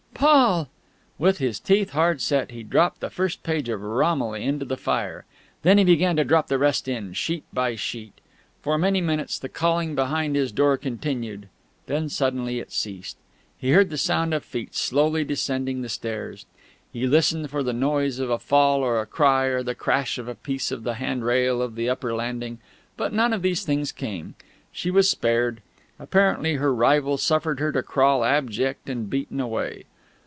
Paul!_..." With his teeth hard set, he dropped the first page of Romilly into the fire. Then he began to drop the rest in, sheet by sheet. For many minutes the calling behind his door continued; then suddenly it ceased. He heard the sound of feet slowly descending the stairs. He listened for the noise of a fall or a cry or the crash of a piece of the handrail of the upper landing; but none of these things came. She was spared. Apparently her rival suffered her to crawl abject and beaten away.